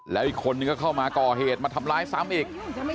แล้วอีกคนนึงก็เข้ามาก่อเหตุมาทำร้ายซ้ำอีก